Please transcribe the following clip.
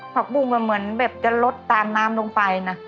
ผักบุ้งก็เหมือนแบบจะลดตามน้ำลงไปนะ